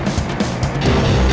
lo sudah bisa berhenti